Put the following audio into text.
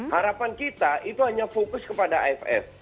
harapan kita itu hanya fokus kepada aff